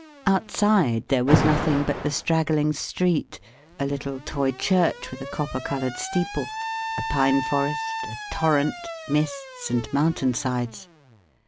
Outside there was nothing but the straggling street, a little toy church with a copper coloured steeple, a pine forest, a torrent, mists, and mountain sides.